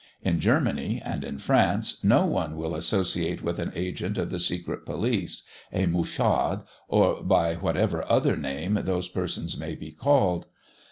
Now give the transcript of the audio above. In Germany and in France no one will associate with an agent of the secret police, a mouchard, or by whatever other name those persons may be called.